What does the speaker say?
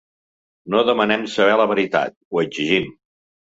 No demanem saber la veritat, ho exigim.